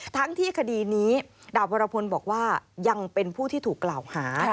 ทั้งที่คดีนี้ดาบวรพลบอกว่ายังเป็นผู้ที่ถูกกล่าวหา